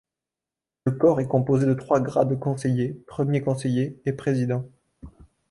Le corps est composé de trois grades conseiller, premier conseiller et président.